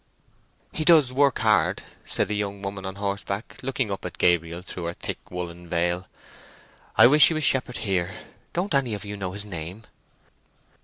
"He does work hard," said the young woman on horseback, looking up at Gabriel through her thick woollen veil. "I wish he was shepherd here. Don't any of you know his name."